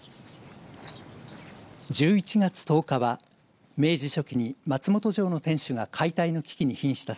１１月１０日は明治初期に松本城の天守が解体の危機にひんした